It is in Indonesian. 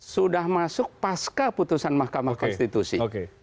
sudah masuk pasca putusan mahkamah konstitusi